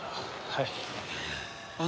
はい。